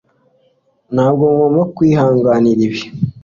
Ntabwo ngomba kwihanganira ibi